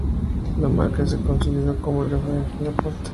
La marca se consolidó como referente en deporte.